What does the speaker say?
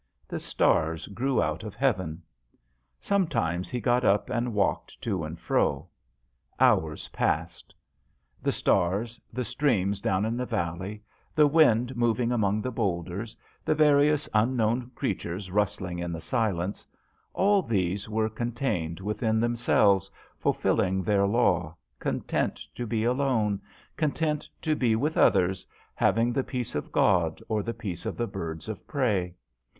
The stars grew out of heaven. Sometimes he got up and walked to and fro. Hours passed. JOHN SHERMAN. 167 The stars, the streams down in the valley, the wind moving among the boulders, the various unknown creatures rustling in the silence all these were con tained within themselves, ful filling their law, content to be alone, content to be with others, having the peace of God or the peace of the birds of prey.